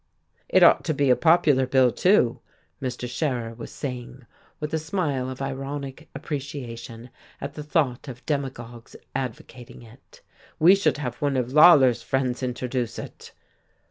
"It ought to be a popular bill, too," Mr. Schemer was saying, with a smile of ironic appreciation at the thought of demagogues advocating it. "We should have one of Lawler's friends introduce it."